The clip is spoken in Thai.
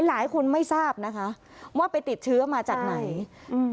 หลายคนไม่ทราบนะคะว่าไปติดเชื้อมาจากไหนอืม